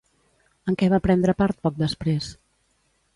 En què va prendre part poc després?